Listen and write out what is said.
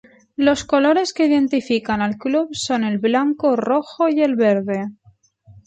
Los colores que identifican al club son el blanco, rojo y el verde.